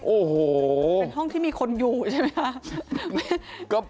โอ้โหเป็นห้องที่มีคนอยู่ใช่ไหมคะ